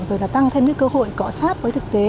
rồi là tăng thêm cái cơ hội cọ sát với thực tế